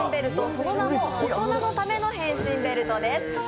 その名も、大人の為の変身ベルトです。